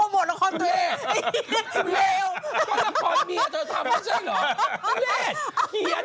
ไม่ใช่